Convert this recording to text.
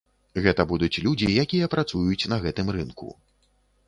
Гэта будуць людзі, якія працуюць на гэтым рынку.